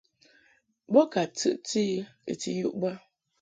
Bo ka tɨʼti I I ti yuʼ bə.